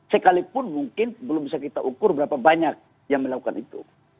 sekalipun mungkin belum bisa kita ukur berapa banyak yang melakukan itu